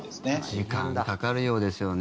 時間かかるようですよね。